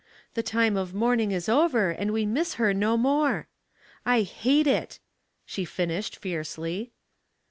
The time of mourning is over, and we miss her no more.* I hate it," she finished, fiercely.